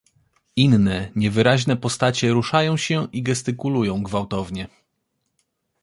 "Inne, niewyraźne postacie ruszają się i gestykulują gwałtownie."